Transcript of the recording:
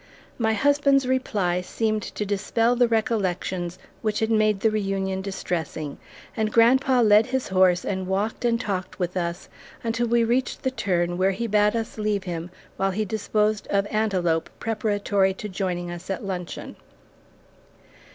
My husband's reply seemed to dispel the recollections which had made the reunion distressing, and grandpa led his horse and walked and talked with us until we reached the turn where he bade us leave him while he disposed of Antelope preparatory to joining us at luncheon.